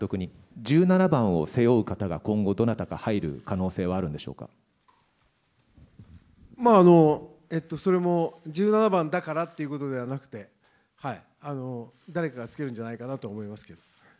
１７番を背負う方が今後、どなたまあ、それも１７番だからということではなくて、誰かがつけるんじゃないかなと思いますけど。